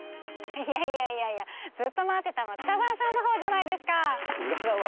いやいやいやいやずっと待ってたの北澤さんのほうじゃないですか！